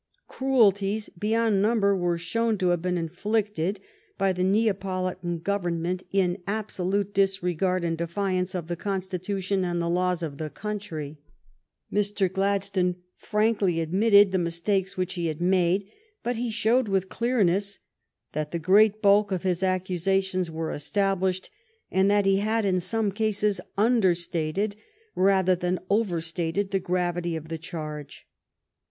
Cruelties beyond number were shown to have been inflicted by the Neapolitan Government in absolute disregard and defiance of the constitution and the laws of the country. Mr. Gladstone frankly admitted the mis takes which he had made, but he showed with clearness that the great bulk of his accusations was established, and that he had in some cases understated rather than overstated the gravity of the charge.